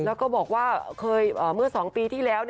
แล้วก็บอกว่าเคยเมื่อ๒ปีที่แล้ว